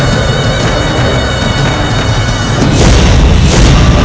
dan menghentikan raiber